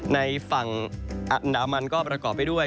ในฝั่งอันดามันก็ประกอบไปด้วย